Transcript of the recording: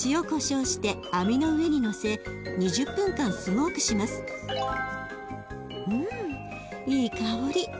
うんいい香り。